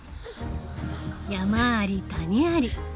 山あり谷あり。